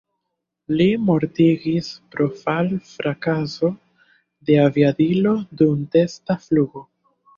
Li mortigis pro fal-frakaso de aviadilo dum testa flugo.